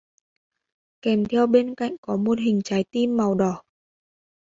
kèm theo bên cạnh có một hình trái tim màu đỏ